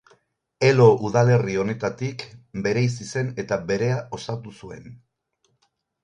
Elo udalerri honetatik bereizi zen eta berea osatu zuen.